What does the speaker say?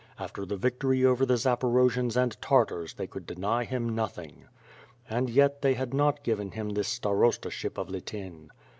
After the victory over the Zaporojians and Tar tars thev could deny him nothing. And yet they had not given him this starostaship of Lityn.